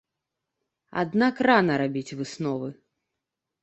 Аднак рана рабіць высновы.